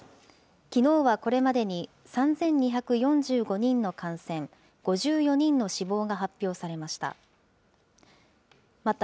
きのうはこれまでに３２４５人の感染、５４人の死亡が発表されました。